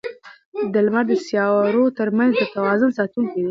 لمر د سیارو ترمنځ د توازن ساتونکی دی.